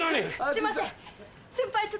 すいません。